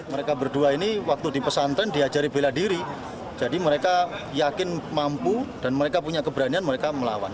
mereka berdua ini waktu di pesantren diajari bela diri jadi mereka yakin mampu dan mereka punya keberanian mereka melawan